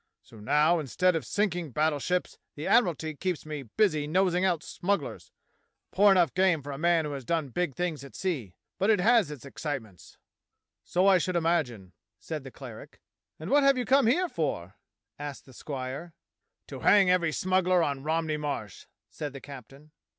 So now, instead of sinking battleships, the Admiralty keeps me busy nosing out smugglers; a poor enough game for a man who has done big things at sea, but it has its excitements." DOCTOR SYN TAKES COLD 41 "So I should imagine," said the cleric. "And what have you come here for?" asked the squire. "To hang every smuggler on Romney Marsh," said the captain.